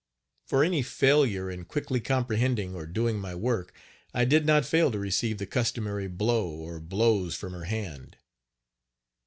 For any failure in quickly comprehending or doing my work, I did not fail to receive the customary blow, or blows, from her hand.